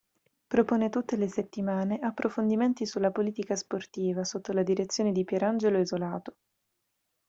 Propone tutte le settimane approfondimenti sulla politica sportiva, sotto la direzione di Pierangelo Isolato.